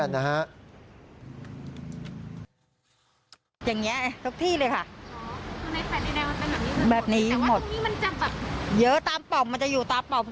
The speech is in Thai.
อย่างเงี้ยทุกที่เลยค่ะแบบนี้มันจะแบบเยอะตามปำมันจะอยู่ตามปำมัน